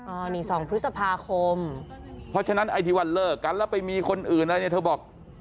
อ่านี่๒พฤษภาคมเพราะฉะนั้นไอทีวันเลิกกันแล้วไปมีคนอื่นแล้วเนี่ยเธอบอก